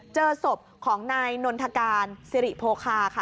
เจอศพของนายนนทการสิริโภคาค่ะ